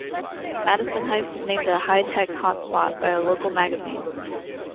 Madison Heights was named a "High Tech Hot Spot" by a local magazine.